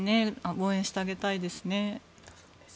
応援してあげたいですね。